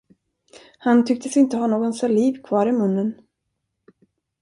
Han tycktes inte ha någon saliv kvar i munnen.